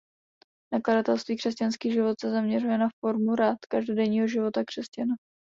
Nakladatelství Křesťanský život se zaměřuje na formu rad každodenního života křesťana.